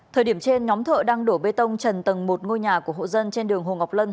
thời điểm trên nhóm thợ đang đổ bê tông trần tầng một ngôi nhà của hộ dân trên đường hồ ngọc lân